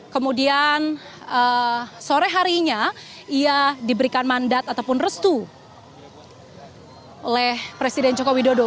kemudian sore harinya ia diberikan mandat ataupun restu oleh presiden joko widodo